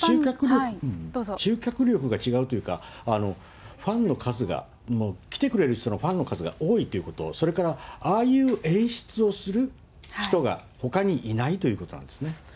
集客力が違うというか、ファンの数が、来てくれる人、ファンの数が多いということ、それからああいう演出をする人がほかにいないということなんですね。